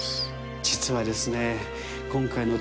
実はですね